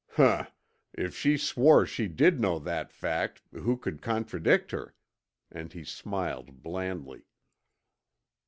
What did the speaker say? "Humph! If she swore she did know that fact, who could contradict her?" and he smiled blandly.